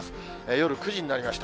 夜９時になりました。